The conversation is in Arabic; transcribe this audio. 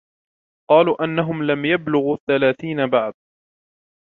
قالوا أنهم لم يبلغوا الثلاثين بعد